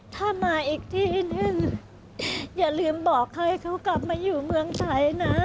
ถ้ามาอีกที่นึงอย่าลืมบอกให้เขากลับมาอยู่เมืองไทยนะ